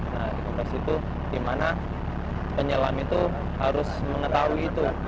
nah dekompresi itu dimana penyelam itu harus mengetahui itu